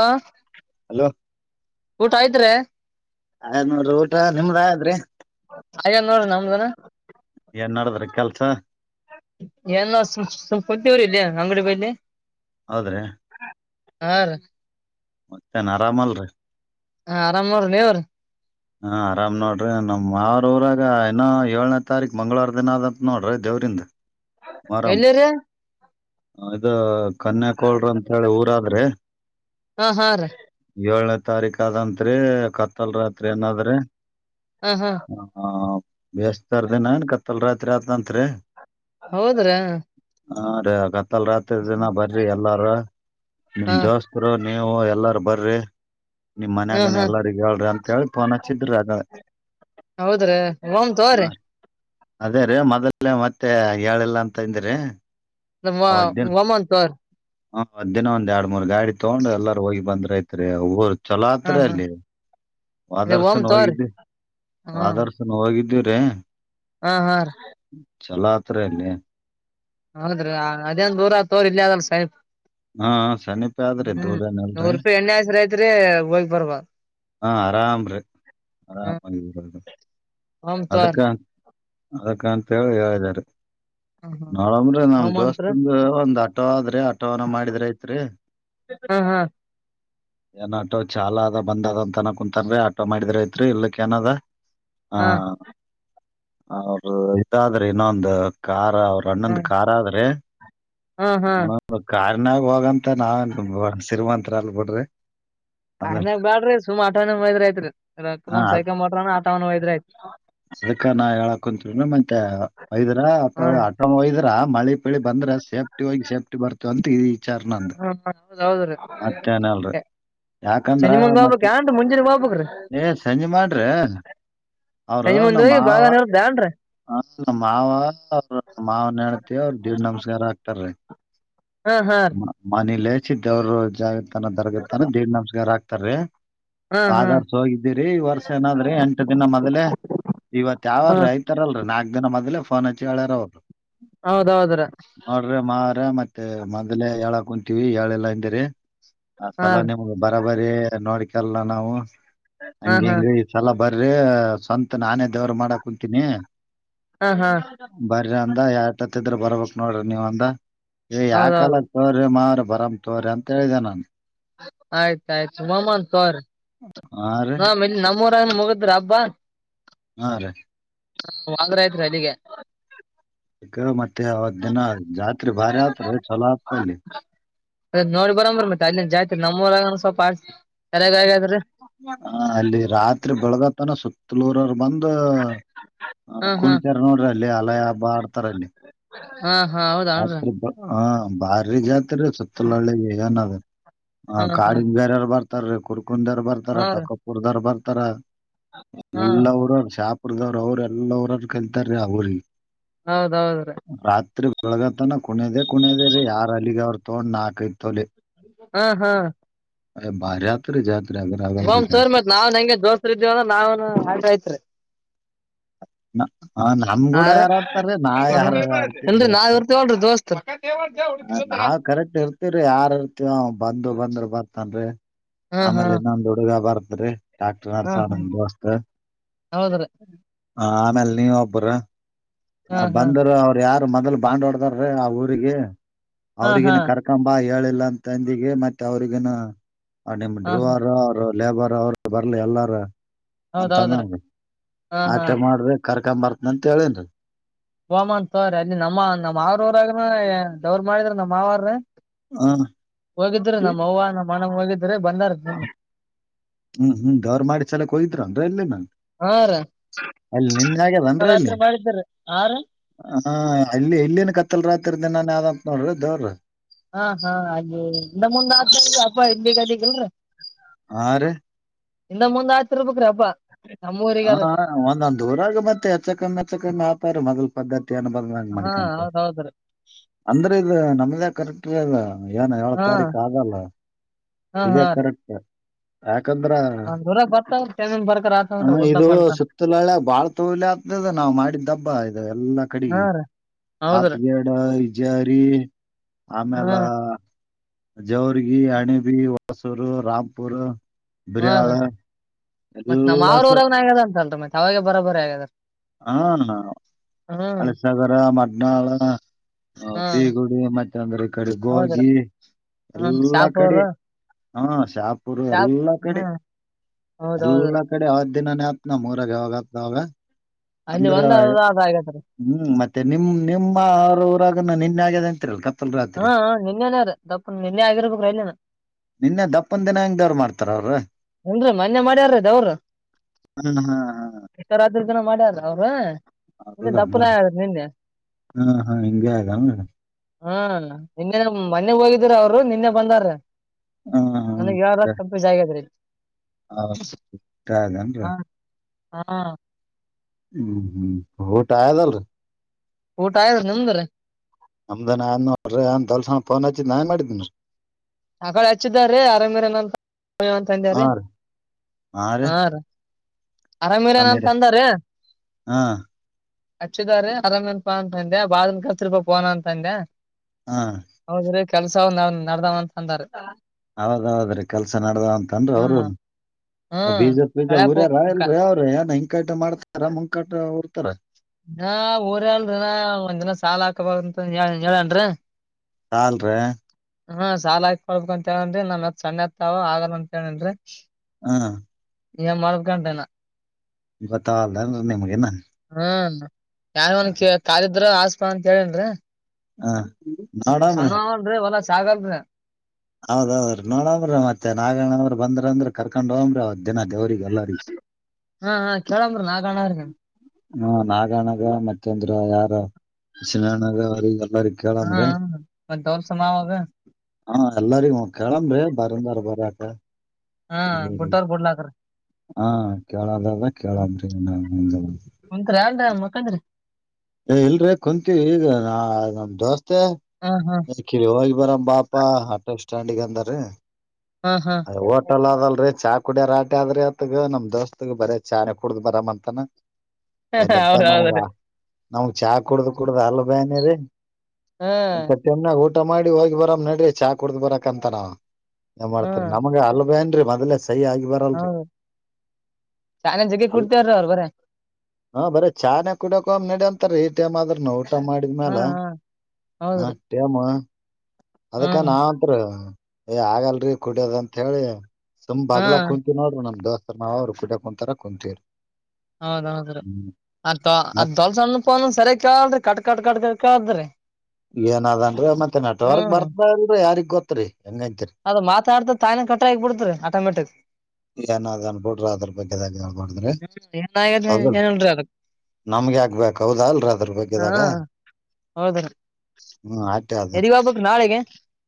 ಹ ಹಲೋ ಊಟ ಆಯತ್್ರೆ ಆಯ್್ ನೋಡ್ರಿ ಊಟ ನಿಮ್ದ ಆದ್ರಿ ಆಗ್ಯ ನೋಡ್ರಿ ನಮ್ದನ ಎನ್ಡ ಕೆಲ್ಸ ಏಲ್ಲ ಸಂಪತಿವರು ಇಲ್ಲಿ ಅಂಗಡಿ ಬಲ್ಲಿ ಆದ್ರೆ ಹ ಮತೆ ನಾರಾಮಲ್ ರ ಹಾ ಆರಾಮ್ ಅವ್ರ ನೀವ್ರಿ ಹಾ ಆರಾಮ್ ನೋಡ್ರಿ ನಮ್ ಅವ್ರಊರಾಗ ಇನ್ನೋ ಏಳನೇ ತಾರೀಕ್ ಮಂಗಳವಾರ ದಿನ ಅದಂತ ನೋಡ್ರಿ ದೇವ ಅವರಿಂದ ಮರಂ ಎಲ್ಲಿರಿ ಇ ಕನ್ಯಕೋಳರು ಅಂತ ಹೇಳಿ ಊರಾದ್ರೆ ಹಾ ಹಾ ರೀ ಏಳನೇ ತಾರೀಕ ಆದದಂತ್ರಿ ಕತ್ತಲ್ ರಾತ್ರಿ ಏನಾದ್ರ ಹಾ ಹಾ ಹ ಬೇಸ್್ತರ ದಿನ ಏನ್ ಕತ್ತಲ್ ರಾತ್ರಿ ಆತ್ಂತ್ರಿ ಹೌದ್ರಾ ಹಾ ರೀ ಕತ್ತಲ್ ರಾತ್ರಿ ದಿನ ಬರ್ರಿ ಎಲ್ಲಾರ ನಿಮ್ ಹಾ ದೋಸ್ಕರು ನೀವು ಎಲ್ಲಾರು ಬರ್ರಿ ನಿಮ್ ಹಾ ಮನ್ಯಾಗನ ಹಾ ಎಲ್ಲರಿಗ ಹೇಳ್ರಿ ಅಂತ ಹೇಳಿ ಫೋನ್ ಹಚ್ಚಿದ್ರಿ ಆಗ ಹೌದ್ರೀ ಒಮ ಹಾ ತ್ರೀ ಅದೇ ರೀ ಮೊದಲ್ ಮತ್ತೆ ಏಳಲ್ಲ ಅಂತ ಅಂದ್ರೀ ಮಮನ್ ತ ಹ ಹದ್ಿನ ಒಂದ್ ಎರಡ್ ಮೂರ್ ಗಾಡಿ ತೊಗೊಂಡ್ ಎಲ್ಲಾರ ಹೋಗಿ ಬಂದ್ರ ಐತ್ರಿ ಚಲೋ ಹಾ ಹತ್ರ ಹಾ ಅಲ್ಲಿ ಅದೇ ಓಮ್ ಆದರ್ಸನ್ ತಗೋರಿ ಹೋಗಿದ್ದು ಹಾ ಆದರ್ಶನ್ ಹೋಗಿದ್ದು ಏ ಹಾ ಹಾ ಚಲಾತ್ರೆಯಲ್ಲಿ ಹೌದ್ರೀ ಅದೇನ್ ದೂರ ತೋರ್ ಇಲ್ಲಿ ಅದಲ್ಲ ಸಹ ಹಾ ಸಮೀಪ ಆದ್ರಿ ಹ್ಮ್ ದೂರ ಏನಲ್ರಿ ನೂರು ರೂಪಾಯಿ ಎಣ್ಣ ಆಸ ರೈತ್ರಿ ಹೋಗ ಪರ್ವಾಗಿರ ಹಾ ಆರಾಮ್ರೀ ಆರಾಮಾಗಿದು ಹಂ ತಾರ ಅದಕ್ಕ ಅಂತ ಹೇಳಿ ಹೇಳಾರೆ ಹ್ಮ್ ಹ್ಮ್ ನಾಳಂದ್ರಿ ನಮ್ ಓಮ್ ಅಂತ್ರಿ ದೋಸ್ತಂದು ಒಂದ್ ಆಟೋ ಆದ್ರೆ ಅ ಅವನ ಮಾಡಿದ್ರ ಐತ್ ಹಾ ಹಾ ಏನ್ ಆಟೋ ಚಾಲ ಅದ ಬಂದ್ ಅದ ಅಂತ ಅನ ಕುಂತನ್ಆಟೋ ಮಾಡಿದ್ರ ಐತ್ರಿ ಇಲ್ಲಕ್ಕ ಏನದ ಹಾ ಅವ್ರ ಇದಾದ್ರೆ ಇನ್ನೊಂದು ಹಾ ಅವರುನ್ನೊಂದು ಕಾರ್ ಆದ್ರೆ ಹಾ ಹಾ ನ ಕಾರ್ನಾಗ ಹೋಗಂತ ಮ ನಾವನ್ ಶರಿಮಂತಅಲ್ ಬಿಡ್ರಿ ಅದ ಆರನಾಗ ಬೇಡ್ರಿ ಸುಮ್ ಆಟಾವನ ಒಯದ್ರ ಯಐತ್ರಿ ಹಾ ರಕೊಂದ್ ಸೈಕ ಮಾಡಟ್ರ ಆಟಾವ ಒಯದ್ರ ಐತ್ರಿ ಅದಕ್ಕ ನಾ ಹೇಳಾಕ್ಂತವಿ ಮತ್ತೆ ವೈದರ ಅ ಹಾ ಅೈದ ಇದ್ರ ಮಳಿ ಪಳಿ ಬಂದ್ರೆ ಸೇಫ್ಟಿ ಹೋಗಿ ಸೇಫ್ಟಿ ಬರ್ತ ಅಂತ ಚರ್ನಂದ ಹಾ ಹೌದ್ ಹೌದ್ರಿ ಮತ್ತಾನಲ್ರಿ ಯಾಕಂದ್ರ ಸಂಜಿ ಮುಂದ್ ಹೋಗ್ಬೇಕ್ ಮತ್ತೆ ಏನ್ರಿ ಮುಂಜಾನೆ ಹೋಗ್ಬೇಕ್ರಿ ಏ ಸಂಜೆ ಮಾಡ್ರಿ ಅವರು ಸಂಜಿ ಮುಂದ್ ನಮ್ಮ ಹೋಗಿ ಹ ಬೆಳಗಾನ ಇರುದ್ ಏನ್ರಿ ನಮ್ಮ್ ಮಾವ ಮಾವನ ಹೇಳ್ತಿವಿ ಅವರು ದೀರ್ ನಮಸ್ಕಾರ ಆಗ್ತ ಹಾ ಹಾ ರೀ ಮನಲಚ ದವ್ರ ಜಾಗ ದರಗ ತ ದೇಡ್ ನಮಸ್ಗಾರ್ ಹಾಕ್ತಾರೆ ಹಾ ಹಾ ಆದರ್ಸ ಹೋಗಿದ್ದಿರಿ ಈ ವರ್ಷ ಏನಾದ್ರಿ ಎಂಟು ದಿನ ಮೊದಲೆೇ ಇವತ್ ಹಾ ಯಾವಾರೀ ಐತಾರಲ್ರೀ ನಾಲ್ಕ್ ದಿನ ಮೊದ್ಲೆ ಫೋನ್ ಹಚ್ಚಿ ಹೊ್ಯಾರ ಅವರು ಹೌದೌದ್ರಿ ನೋಡ್ರಿ ಮ್ರ ಮತ್ತೆ ಮತ್ತೆ ಮೊಲಲೆ ಹೇಳ ಕುಂತೀವಿ ಹೇಳೆಲ್ಲಾ ಅಂದರಿ ಆ ಹಾ ಸಲ ರೀ ನಿಮ್ ಬರ ಬರ ನೋಡ್ಕಲ್ಲ ನಾವು ಹಾ ಹಂಗ ಹಾ ಹಂಗ ಈ ಸಲ ಬರಿ ಸ್ವಂತ ಮ ನಾನೇ ದೇವರು ಮಾಡ ಕುಂತೀನಿ ಹಾ ಹಾ ಬರ ಅಂದ ಯ ಬರ್ಬಕ್ ನೋಡ್ರಿ ನೀವ ಅಂದ ಯಾ ಹೌದೌದು ಕಾಲ್ರ ಮಾ ಬರಾಮ್ ತೋರರಿ ಅಂತ ಹೇಳಿದೆ ನಾನನ್ ಆಯ್ತ ಆಯ್ತು ಮಾಮ್ಮನ್ ತೋರ ಹಾ ರೀ ನ ಇ ನಮ್ಮ ಮುಗಿದ್ರ ಹಬ್ಬಾ ಹಾ ರೀ ಹ ಹಾಲ್ ಆಯ್ತ್ರಿಅಲ್ಲಿಗೆ ಹ ಈಗ ಮತ್ತೆ ಅವತ್ ದಿನ ಜಾತ್ರೆ ಭಾರಿ ಆತ್ ಚಲೋ ಆಗ್ತಲ್ಲಿ ನೋಡಿ ಬರೋ ಬ ಮತ್ತೆ ಅಲ್ಲಿ ಜಾತ್ತಿ ನಮ್ಮ್ ಸ್ವಪ ಆಸ ಹ ಅಲ್ಲಿ ರಾತ್ರಿ ಬೆಳಗತನ ಸುತ್ತಲೂರರ್ ಬಂದ ಒಂದು ಹಾ ಹಾ ಕುಣಿತರ ನೋಡ್ರಿ ಅಲ್ಲಿ ಹಲ ಹಬ್ಬ ಆಡ್ತಾರ ಅಲ್ಲಿ ಹಾ ಹಾ ಹೌದನ್ರಿ ಜಾತ್ ಹ ಬಾರಿ ಜಾತ್ರೆ ಸುತ್ತಲ ಹಳ್ಳಿಗೆಗನ ಅದ ಹ ಹಾ ಹಾ ಕಾಡಿನಗಾರಾರ ಬರ್ತಾರೀ ಕುರ್ಕಂದಾರ್ ಬರ್ತಾರ ಹಾ ರೀ ಟಕಪುರ್ದಾರ್ ಬರ್ತಾರ ಹಾ ಎಲ್ಲರ ಶಾಪರದವ್ರ ಅವ್ರ ಎಲ್ಲರ್ರರು ಕಲ್ತಾರೀ ಅವ್ರಿಗೆ ಹೌದೌದ್ರೀ ಒಳಗತನ ಕುನದೆೇ ಕುನದ ರೀ ಯಾರ್ ಅಲ್ಲಿಗೆ ಅವ್ರ ತೊಗೊಂಡ್ ನಾಕೈಐತ್ತೊಲಿ ಹಾ ಹಾ ಅ ಬರಾತ್ರಿ ಜಾತ್ ಬ್ ತೋರ್ ಮತ್ ನಾವನ್ ಹೆಂಗೆ ದೋಸ್ಸ್ ಇದೀವಂದ ನಾವನ್ ಹ ಐತ್ರಿ ನಮ್ಗೂಡ ಹಾರ ಯಾರಾಡ್ತಾರೀ ನಾ ಯಾರಾರ ಆಡ್ತವಿ ಇಲ್ರಿ ನಾವ್ ದೇವಸ್ಥ ಇರ್ತೀವಲ್ರಿ ದೋಸ್ತರ್ ಹ ನಾವ್ ಕರೆಕ್ಟ್ ಇರ್ತಿವರಿ ಯಾರ್ ಇರ್ತಿವ ಬಂದು ಬಂದ್ರ ಬರ್ತನ್ ಹಾ ಹಾ ಆಮೇಲೆ ಇನ್ನೊಂದು ಹುಡುಗ ಬರ್ತ್ರಿ ಹಾ ನರ್ಸ ಹಾ ಆನಂದ ದಸ್ತ ಹೌದ್ರಿ ಹಾ ಮಲ್ಲಿ ಉಬ್ಬರ ಹಾ ಆ ಹಾ ಬಂದರು ಅವ್ರ ಯಾರು ಮೊದ್ಲು ಬಾಂಡ್ವಾರ್ರೀ ಆ ಊರಿಗೆ ಹಾ ಹಾ ಅವ್ರಿಗನ ಕರ್ಕಂಬ ಹೇಳಿಲ್ಲ ಅಂತಂದಿಗೆ ಮತ್ತೆ ಅವ್ರಿಗನ ಆ ನಿಮ್ ಹಾ ಹಾ ವಾರ ಅವರು ಲೇಬರ್ ಅವರು ಬರ್ಲಿ ಎಲ್ಲಾರ ಹೌದ್ ಅಂತ ಅನ್ನೋ ಹೌದ್ರಿ ರಿ ಹಾ ಹಾ ಆಟ ಮಾಡ್ರ ಕರ್ಕೊ ಬರ್ತನ ಅಂತ ಹೇಳೇನ್ರಿ ಫೋನ್ ಮಾಡೇನೇ ತಗಲ್ರೆ ಅಲ್ಲಿ ನಮ್ಮ ನಮ್ಮ್ ಮಾಮ ಉರಗ ನೀ ದವ್ರ ಮಾಡಿದ್ರ ನಮ್ಮ್ ಮಾವ ರಿ ಹ್ಮ್ ಹೋಗಿದ್್ರರು ನಮ್ಮ ಅವ್ವ ನಮ್ಮ್ ಅಣ ಹೋಗಿದರು ಹ್ಮ್ ಹ್ಮ್ ದವರ್ ಮಾಡಿ ಚಲಕ್ ಹೋ್ರು ಅಂದ್ರ ಎಲ್ಲೇ ಏನ ಹಾ ರಿ ರಾತ್ರಿ ಮಾಡ್ತೇನೆ ರಿ ಹಾ ರಿ ಹ ಅಲ್ಲಿ ಇಲ್ಲಿೇನ್ ಕತ್ತಲ್ ರಾತ್ರಿ ದಿನಾಾನನ್ ಯಾವ್ದಂತತ್ ನೋಡ್ರಿ ದವರಿ ಹಾ ಹಾ ಹಲ್ಲೆ ಮುಂದ ಆ ಅ ಬಗದಕ್ಕಲ್ ಹಾ ರಿ ಇಿಂದ ಮುಂದ್ ಆಯ್ತತಿರ್ಬೇಕ್ರೀ ಅಪ್ಪಾ ಹಾ ಹಾ ಒಂದೊಂದ್ ಊರಾಗ ಮತ್ತೆ ಎಚ್ಚಕಮ್ಮಿ ಎಚ್ಚಕಮ್ಮಿ ಆತಾರ ಮೊದಲ್ ಪದ್ಧತಿ ಏನ ಬಂದಂಗ್ ಮಾಡ್ಕೊ ಹೌದ ಹೌದ್ರೀ ಅಂದ್ರೆ ಇದು ನಮ್ದ ಕರೆಕ್ ಲ್ಲ ಏನ ಏಳ ಹಾ ತಾರೀಕ ಆಗಲ್ಲ ಇದೇ ಕರೆಕ್ಟ್ [unintelligible] ಒಂದಊರ ಬರ್ತಾವ ಟೈಮಿಂಗ್ ಬರ್ತ ಹ ಇದು ಸುತ್ತಲಳ ಬಾಳ್ ತೋಲಿ ಆಗ್ತದ ನಾವ್ ಮಾಡಿದ್ದಬ್ಬ ಇದು ಎಲ್ಲಾ ಹಾ ಕಡೆಗೆ ರೀ ಹೌದ್ರಿ ತತ್ಗೇಡ ಈಜಾರಿ ಹಾ ಆಮೇಲೆ ಜವರ್ಗಿ ಅಣಬಿ ಹೊಸೂರು ರಾಾಮಪುರ್ ಬಿರ್ಯಾಾಳ ಮತ್ತತ್ ನಮ್ಮ್್ರಊರಾಗ ಆಗ್ಯದ ಅಲ್ರಿ ಮತ್ತತ್ ಅವಾಗ ಬರಾಬರ ಆಗ್ಯದಾರ ಹಾ ಅಣ್ಣ ಅಳಸಾಗರ ಮಡ್ನಾಳ ಹ ಹ್ಮ್ ಪೀಗುಡಿ ಮತ್ತೆ ಅಂದ್ರ ಈ ಕಡೆ ಗೋಗಿ ಹೌದ್ರಿ ಹ್ಮ್ ಎಲ್ಲ ಶಾಪ್ ಕಡೆ ಅವ್ರು ಹಾ ಶಾಪುರ್ ಶಾಪ್ ಎಲ್ಲಾ ಕಡೆ ಹ್ಮ್ ಹೌದ್ ಹೌದ್ರಿ ಎಲ್ಲಾ ಕಡೆ ಅವ ದಿನ ಆತ್ನ ನಮ್ಮ ಊರುಗ ಯಾವ ಆಗುತ್ತೆ ಅವಗ ಅಲ್ಲಿ ಅಂದ್ರ ಒಂದ ಅದ ಅದ ಆಗ್ಯದ್ರಿ ಹ್ಮ್ ಮತ್ತೆ ನಿಮ ನಿಮ್ಮ ಅವರು ಉರಗ ನಿನ್ ಆಗ್ಯ ಅಂತಿರಲ್ ರಾತ್ರಿ ಹಾ ಹಾ ನಿನ್ನೆನೇ ರೀ ದಪ್ಪನ್ ನಿನ್ನೆ ಆಗಿರ್ಬೇಕ್ರಿ ಅಲ್ಲಿನ ನಿನ್ನ ದಪ್ಪನ್ ದಿನ ಹಂಗವ್ರು ಮಾಡ್ತಾರೆ ಹತ್ರ ಅವ್ರೀ ಹ್ಮ್ ರಿ ಮನ್ಯೆ ಮಾಡ್ಯಾರದ ದೇವರು ಹಾ ಹಾ ಹಾ ಇಷ್ಟೋರಾತ್ರಿ ಜನ ಮಾಡ್ಯಲ್ಲ ಅವ್ರ ನಿನ್ನೆ ಹೌದಾ ದಪ್ಪುನ್ರ ನಿನ್ನೆ ಹಾ ಹಾ ಹಿಂಗೆ ಆಗೇನ್ರಿ ಹಾ ಇನ್ನೇ ಮೊನೆೆ ಹೋಗಿದ್ದೀರ ರು ನಿನ್ನೆ ಬಂದಾರ ನನಗ್ ಯಾವ್ದ್ ಕಂಪ್ಯೂಸ್ ಆಗ್ಯಾದ್ರಿ ಹ [unintelligible] ಏನೂ ರಿ ಹಾ ಹಾ ಹ್ಮ್ ಹ್ಮ್ ಉಟ್ಟಅದಲ್ಲ ಊಟ ಆಯ್ತ್ರಿ ನಿಮ್ದು ನಮ್ಮದಾನ ಅಡ್ಲರ್ ನೋಡ್ರೆ ಕೆಲಸ ಪನ [unintelligible] ನಾನ್ ಮಾಡಿದ್ದೇನ ಆಕಡೆ ಹಚ್ಚಾರೀ ಅರಾಮೇ ಏನ ಅಂತ [unintelligible] ಅಂದಾರೀ ಹ್ ರಿ ಅರಾಮೀರ ನನ್ ತಂದಾರ ಹಾ ಹಚ್ಚಿದಾರ ಆರಾಮ್ ಅನಪಾ ಅಂತ ಅಂದೆ ಬಾದನ್ ಕಸರಿಪಾ ಪೋನ ಅಂತ ಅಂದೆ ಹಾ ಹೌದ್ರೀ ಕೆಲ್ಸ ನಡದಾವಂತ [unintelligible] ಹೌದೌದ್ರೀ ಕೆಲ್ಸ ನಡ್ದ ಅಂತನ್ ಹ್ಮ್ ಅವರುೂನು ಹ್ಮ್ ಬೀಜ ಬೀಜ ಕಳ್ಯಾಕ್ ಹೋಗ್ ಉರ್ಯಾರ ಕ- ಇಲ್ರೀ ಅವ್ರ ಏನ್ ಹಿಂಕಾಟ ಮಾಡ್ತಾರ ಮಂಕಟ ಉರ್ತಾರ ನ ಊರ್ ಹೇಳರಿನಾ ಒಂದ್ ದಿನ ಸಾಾಲ ಹಾಕಬಂತ ಹೇಳನ್ರಿ ಹಾ ಲಾ ರಿ ಹಾ ಸಾಲ ಹಾಕೊಳ್ಬೇಕು ಅಂತ ಹೇಳನ್್ರಿ ನಮ್ತ್ ಸಣ್ಣ ಹತಾವ ಆಗಲ್ಲ ಅಂತ ಹೆಲೆನೇರಿ ಹಾ ಏನು ಮಾಡದಕಂಟನಾ ಇವತ್ತ ಅ ನಿಮ್ಗೆ ನ ಹ್ಮ ಯ ಒನ್ ಕಾಲಿದ್ರ ಆಸ್ಪ ಅಂತ ಹೇಳೇನ್ರ ಹಾ ಸಣ್ಣ ಆನ್ ವಲ್ಲಾ ಸಾಗನ್ರ ಹೌದೌದ್ರಿ ನೋಡಂಬ್ರಿ ಮತ್ತೆ ನಾಗಾಯಣಂದ್ರ ಬಂದ್ರ ಅಂದ್ರ ಕರ್ಕೊಂಡ ಹೋಗ್್ರಿ ಅವದ್ ದನ ದೇವಿಗೆ ಅಲ್ಲಾರಿ ಹಾ ಹಾ ಕೇಳಂಬ್ರಿ ನಾಗಣ್ಣಾರ್ಗ ಹ್ಮ ನಾಗಣಗ ಮತ್ತೆಂದ್ರ ಯಾರಣಗ ಅವಲ್ಲ ಹಾ ಮತ್ತೋಲ್ಸಾವಾಗ ಎಲ್ಲರಿಗ ಕಳಂಬ್ರೆ ಬರಂದಾರ ಬರಾಕ ಹ್ಮ ಗುಡ್ಡೋ್ ಬಿುಡ್ಲಾಕ್ರ ಹಾ ಕೇಳಾದ ಕೇಳಾಮೀ ನ ಕುಂತ್ರಿ ಅಲ್ರಿ ಮಕ್ಕಂದ್ರಿ ಇಲ್ರೀ ಕುಂತ ಈಗ ನಮ್ ದೋಸ್ತ್ ಹಾ ಹಾ ಮತ್ತೆ ಕಿರಿ ಹೋಗಿ ಬರ ಬಾಪ ಆಟೋ ಸ್ಟ್ಯಾಂಡಿಗೆ ಅಂದ್ರೀ ಹಾ ಹಾ ಅ ವಟಲ್ಲದ ೀ ಚಾ ಕುಡಿಯೋಾರ ಆಟೆ ಆದ್ರೆ ಅತ್ಗ ನಮ್ ದೋಸ್ತ್ಗ್ ಬರೀ ಚಾೆ ಕುಡ್ದ್ ಬರ್ ಅಂತಾನ ಒಲ್ಲಪ ಹೌದ್ ನಮಗ ಹೌದ್ರಿ ನಮಗ್ ಚಾ ಕುಡ್ದ ಕುಡ್ದ್ ಅಲ್ ಬನಿ ರೀ ಹ್ಮ್ ಎಂತಾಗ ಊಟ ಮಾಡಿ ಹೋಗಿ ಬರ ನಡ್ರಿ ಚಾ ಕುಡ್ದ್ ಬರಕ್ ಅಂತ ನ ಏನ್ ಮಾಡ್ತಾರ ಹ್ಮ್ ನಮ್ಗೆ ಅಲ್ ಬೇ ನ್ರಿ ಮದ್ೇ ಸಹ ಆಗಿ ಬರಲ್ರಿ ಹೌದು ಶಾನೆ ಜಗ್ಗಿ ಕುಡ್ತೇವ್ರಿ ಅವ್ರ ಬರ ಹಾ ಬರ ಚಾ ನ ಕುೂಡಕ ನ ಅಂತಾರ ಈ ಟೈಮ್ ಆದ್ರ ನ ಊ ಟಮ್ ಹಾ ಮಾಡಿದ್ಮೇಾಲ ಹಾ ಹ ಹೌದ್ರಿ ಟೇಮ್ ಅದಕ್ಕ ಹ್ಮ್ ನಾವತ್ ಏ ಆಗಲ್ರರಿ ಕುಡ್ಯದಂತತ್ ಹೇಳಿ ಸಮ್ ಹಾ ಬಾಗಲಾ ಕುಂತೀವಿ ನೋಡ್ರ ನಮ್ ದೋಸ ನಾವ್ರು ಕಿಟ ಕುಂತಾರ ಕುಂತೀವರಿ ಹೌದೌದ್ರ ಅ ಅ ಮತ್ ದೊಲ್ಸಣ್ಣ ಪ ಸರಿಯ ಕೇಳ್ರಿ ಕಟ್ ಕಟ್ ಕಟ್ ಕ ಕೇಳ್ದ್ರಿ ಏನದನ್್ರೀ ಮತ್ತೆ ನಟ ಅವರ್ಗ್ ಬರ್ತಾಲ್ರರಿ ಯಾರಿಗ್ ಗೊತ್ರಿ ಅದ ಮಾತಾಡ್ತ ತಾಯ ಕಟ್ರ ಆಗ್ಬ ಬಿಡ್ತ್ರೀ ಆಟೋಮೆಟಿಕ್ ಏನ ಅ್ ಅನ್ಬ ಬಿಡ್ರರು ಅದ್ರ ಬಗ್ಗೆದ ನ ಹ್ಮ್ ಏನ್ ಏನ್ ಹೇಳಿ ಆಗ ಹು ಏನಾಗಿದೆ ಏನ್ರೀ ಅದ್ಕ ನಮ್ಗೆ ಆಗ್ಬೇಕೌದಾ ಅಲ್ರ ಅದ್ರ ಬಗ್ಿದಾಗ ಹೌದೀ ತಪ್ಪು ಇದು ಹೌದ್ರೀ ದ ಅಷ್ಟೇ ಆದ ಹ ನಾಳೆಗೆ ಎಲ್ಲಿಗೆ ಹೋಗಬೇಕು ನಾಳಿಗೆ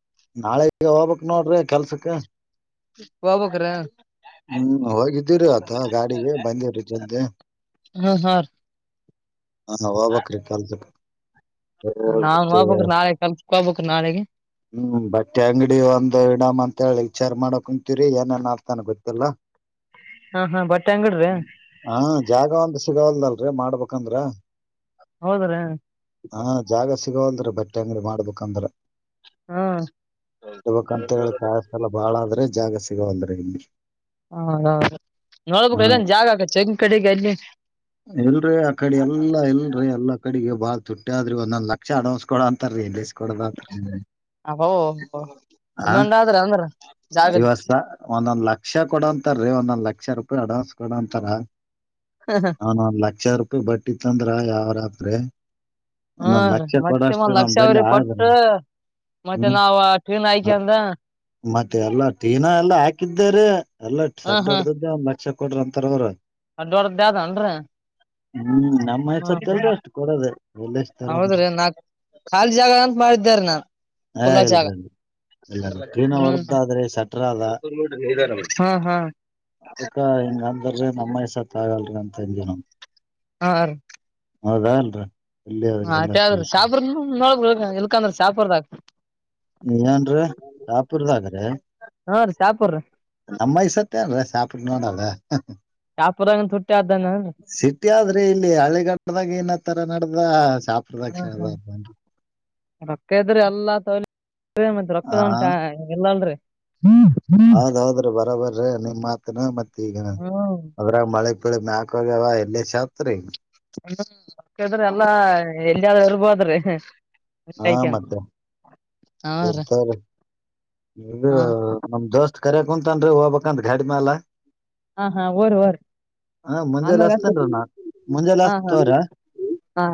ನಾಳೆ ಈಗ ಹೋಗ್ಕ್ ನೋಡ್ರಿ ಕೆಲ್ಸಕ್ ಇದು ತಪ್ಪು ನಾಳಿಕೆ ಹೋಗಬೇಕು ನೋಡಲ್ ಕೆಲಸ ಇದು ಸರಿ ವಬಕರ ತಪ್ಪು ಹೋಗಬೇಕು ರೀ ಹ್ಮ್ ಹೋಗಿದ್ದೀರಿ ಆತ ಗಾಡಿಗೆ ಬಂದಿವೀ ಜಲ್ದ ಹ್ಮ ಹಾ ಹಾ ಹೋಗಬೇಕು ರೀ ಕೆಲಸಕ್ ನಾವುನು ಕೆಲಸಕ್ಕೆ ಹೋಗ ಬೇಕ್ರಿ ನಾಳೆಗೆ ಕೆಲಸಕ್ಕೆ ಹೋಗಬೇಕ್ರಿ ಹ್ಮ್ ಬಟ್ಟೆ ಅಂಗಡಿ ಒಂದು ಇಡಾಮ್ ಅಂತ ಹೇಳಿ ವಿಚಾರ್ ಮಾಡ ಕುಂತೀರಿ ಏನೇ ಆತಾನ ಗೊತ್ತಿಲ್ಲಾ ಹಾ ಹಾ ಬಟ್ಟೆ ಅಂಗಡ್ರಿ ಹಾ ಜಾಗ ಒಂದು ಸಿಗವಲದ ಇಲ್ಲ ಅಲ್ರಿ ಮಾಡ್ಬೇಕಂದ್ರ ಹೌದ್ರೀ ಹಾ ಜಾಗ ಸಿಗೋಲ್್ರ ಬಟ್ಟೆ ಅಂಗ್ರ ಮಾಡ್ಬೇಕಂದ್ರ ಹ್ಮ್ ಹಳ್ಬೇಕಂತ ಹೇಳಿ ಕಾಯಸ ಎಲ್ಲ ಬಾಳ ಆದ ರೀ ಜಾಗ ಸಿಗೋ ವಲದ ರೀ ಹದೌದ ನೋಡ್ಬೇಕ ಎಲ್ಲಂದ ಜಾಗ ಆಕತ್ ಹೆಂಗ್ ಕಡೆಗೆ ಅಲ್ಲಿ ಎಲ್ರರಿ ಆ ಕಡೆ ಎಲ್ಲಾ ಇಲ್ರಿ ಎಲ್ಲಾ ಕಡಿಗು ಬಾಳ್ ತುಟ್ಟ ಆದ್ರಿ ಒಂದೊಂದ್ ಲಕ್ಷ ಅಡವಸ ಕೊಡು ‌ ಅಂತನ ರೀ ರೀ ಗೆಲ್ಲಿಸಿ ಕೊಡೋದು ಆತದ್ರಿ ಅಬು ಡಿಮ್ಯಾಂಡ್ ಆದ್ರಿ ಜಾಗದ್ದ ಐವತ್ ಸಾ ಒಂದೊಂದ್ ಲಕ್ಷ ಕೊಡಂತಾರೀ ಒಂದೊಂದ್ ಲಕ್ಷ ರೂಪಾಯಿ ಅಡ್ವಾನ್ಸ್ ಕೊಡಂತರ ಒಂದೊಂದ್ ಲಕ್ಷ ರೂಪಾಯ ಬಟ್ಟಿ ತಂದರ ವ್ಯವಹಾರ ಆತದ ರೀ ಹಾ ಒಂದೊಂದು ರೀ ಲಕ್ಷ ಮತ್ತೆ ಕೊಡಷ್ಟು ಒಂದ್ ನಮ ಲಕ್ಷ ಬೆಲಿ ಅವ್ರಿ ಆದ ಕೊಟ್ಟು ಮತ್ತೆ ಹ್ಮ್ ನಾವ್ ಟ್ರೈನ್ ಹಾಯ್ಕಂದ ಮತ್ತೆ ಎಲ್ಲ ಟೀನಾ ಎಲ್ಲ ಹಾಕಿದೆ ರೀ ಎಲ್ಟ ಸಡ್ ಹೊಡ್ದದ್ದ ಒಂದು ಲಕ್ಷ ಕೊಡ್ರಿ ಅಂತಾರ ಅವರು ಷಡ್ ಹೊಡದಿದ್ದು ಆದ ಏನ್ರೀ ಹು ನಮ್ ಐಸತ ಇಲ್ರಿ ಅಷ್ಟು ಕೊಡೋದು ಕಾಲಿ ಜಾಗ ಅಂತ ಮಾಡಿದ್ಯಾ ನಾನ್ ಹ ಖುಲ್ಲಾ ಜಾಗ ಇಲ್ರಿರಿ ಇಲ್ಲ್ರ ಟ್ರೀನ ಹ್ಮ್ ಹೊಡದ್ದಾದ್ರೆ ಸಟ್ರ ಅದ ಹಾ ಹಾ ಅದಕ್ಕ ಹೆಂಗ ಅಂದ್ರೆ ನಮ್ಮ ಐಸತ್ ಆಗಲ್ರೀ ಅಂದಿವಿ ನಾವು ಹಾರಿ ಹೌದಾ ಇಲ್ಲಾ ರಿ ಹ ಆದ್ರ ಏನ್ರೀ ಶಹಾಪುರ ದಾಗ ರೀ ಹಾ ರೀ ಶಾಪುರ್ ನಮ್ಮ ಐಸತ್ ಏನ್ರೀ ಶಹಾಪುರ ನೋಡದ ಶಾಪುರಗಂತ ಹುಟ್ಟಿ ಆದ್ದಾನ ಸಿಟಿ ಆದ್ರೆ ಇಲ್ಲಿ ಹಳೆಗಡದಾಗ ಏನತ್ತರ ನಡ್ದ ಶಹಾಪುರ ಹಾ ಹಾ ದಾಗ ರೊಕ್ಕ ಇದದ್ರಿ ಎಲ್ಲಾ ತ ಮ ಹಾ ರೊಕ್ಕದ ಚಾ ಎಲ್ಲಲ್ರಿ ಹದ್ೌದ್ರಿ ಬರ ಬರ್ರೀ ನಿಮ್ ಮಾತನ ಮತ್ ಈಗ ಅದ್ರ ಮಳೆ ಮಳಿ ಮ್ಯಾಕ್ ಹೋಗ್ಯಾದ್ರಿ ಿದ್ರ ಎಲ್ಲಾ ಎಲ್ಲಿಯಾದ್ರೂ ಇರ್ಬೋದ್ರಿ ಹಾ ಐತಿ ಅಂತ. ಮತ್ತೆ ಹಾ ಆಯ್ತು ರೀ ತೋರಿ ಹಾ ನಮ್ಮ ದೋಸ್ತು ಕರೆ ಕುಂತನ್ರಿ ಹೋಗಬಬೇಕಂದ ಗಾಡಿ ಮ್ಯಾಲ ಹಾ ಹಾ ಹೊರಿ ಹೊರಿ ಹಾ ಮುಂಜಾಲೆ ಹಸ್ತೇನ್ ನ ಮುಂಜಾಲ ಹಾ ಹಸ್ ಹಾ ತೋರ ಹಾ